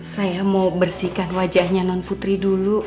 saya mau bersihkan wajahnya non putri dulu